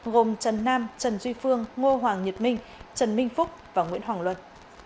gồm trần nam trần duy phương ngô hoàng nhật minh trần minh phúc và nguyễn hoàng luân